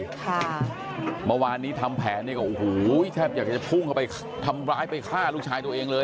เมื่อวานนี้ทำแผนอยากจะพุ่งเข้าไปทำร้ายไปฆ่าลูกชายตัวเองเลย